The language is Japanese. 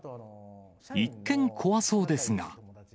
一見、怖そうですが。